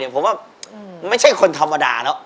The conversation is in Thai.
ผมว่าไม่ใช่คนธรรมดาแล้ว